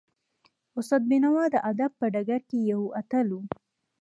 استاد بینوا د ادب په ډګر کې یو اتل و.